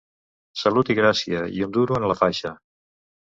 Salut i gràcia, i un duro en la faixa.